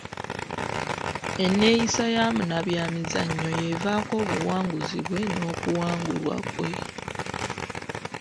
Enneeyisa ya munnabyamizannyo y'evaako obuwanguzi bwe n'okuwangulwa kwe.